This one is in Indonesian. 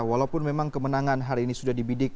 walaupun memang kemenangan hari ini sudah dibidik